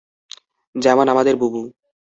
যেমন, আমাদের বুবু!